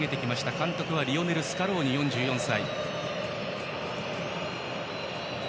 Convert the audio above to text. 監督はリオネル・スカローニ４４歳。